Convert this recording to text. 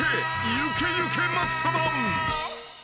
行け行けマッサマン］